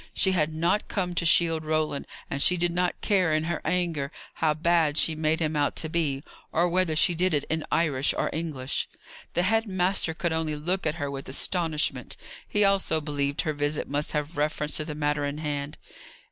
She had not come to shield Roland; and she did not care, in her anger, how bad she made him out to be; or whether she did it in Irish or English. The head master could only look at her with astonishment. He also believed her visit must have reference to the matter in hand.